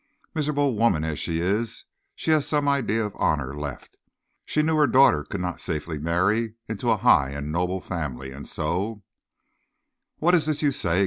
Miserable woman as she is, she has some idea of honor left. She knew her daughter could not safely marry into a high and noble family, and so " "What is this you say?"